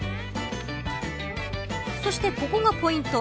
そしてここがポイント。